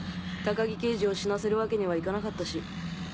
高木刑事を死なせるわけにはいかなかったし。